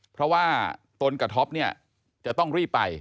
เพราะว่าตนกับท็อปเนี่ยจะต้องรีบไป